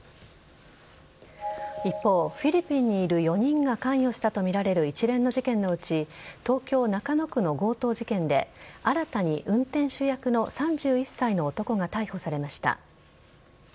一方、フィリピンにいる４人が関与したとみられる一連の事件のうち東京・中野区の強盗事件で新たに運転手役の３１歳の男が逮捕されました。